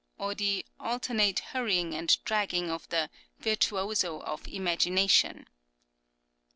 107), or the alternate hurrying and dragging of the "virtuoso of imagination."